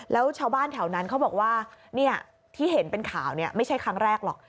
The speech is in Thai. แล้วชาวบ้านแถวนั้นเขาบอกว่าที่เห็นเป็นข่าวไม่ใช่ครั้งแรกหรอก